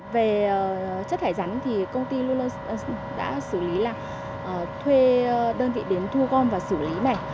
về chất thải rắn thì công ty luôn luôn đã xử lý là thuê đơn vị đến thu gom và xử lý này